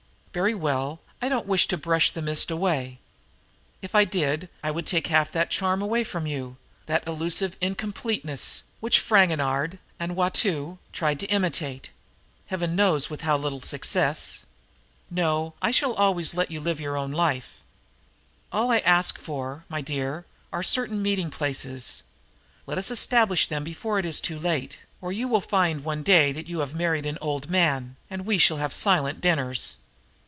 Very well, I don't wish to brush the mist away. If I did that I would take half that charm away from you that elusive incompleteness which Fragonard and Watteau tried to imitate, Heaven knows with how little success. No, I shall always let you live your own life. All that I ask for, my dear, are certain meeting places. Let us establish them before it is too late, or you will find one day that you have married an old man, and we shall have silent dinners.